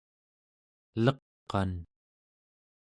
leq'an